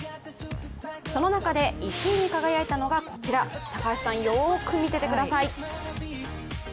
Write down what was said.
その中で１位に輝いたのがこちら、高橋さん、よく見ててください。